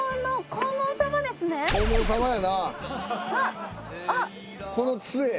黄門様やな。